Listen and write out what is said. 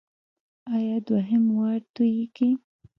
ایا دوهم وار توییږي؟